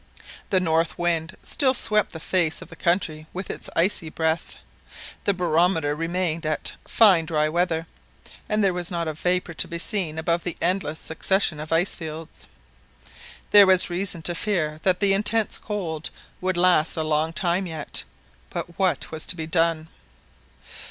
The north wind still swept the face of the country with its icy breath; the barometer remained at " fine dry weather; "and there was not a vapour to be seen above the endless succession of ice fields. There was reason to fear that the intense cold would last a long time yet, but what was to be done?